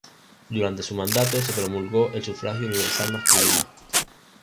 Durante su mandato se promulgó el sufragio universal masculino.